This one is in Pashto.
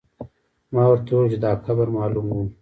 ما ورته وویل چې دا قبر معلوم و.